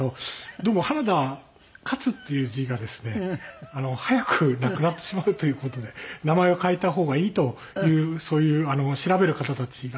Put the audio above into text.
でも「花田」「勝」っていう字がですね早く亡くなってしまうという事で「名前を変えた方がいい」とそういう調べる方たちが。